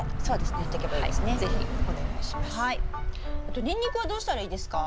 あとニンニクはどうしたらいいですか？